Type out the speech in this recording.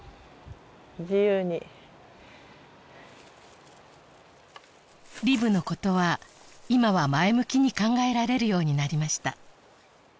自由にリブのことは今は前向きに考えられるようになりました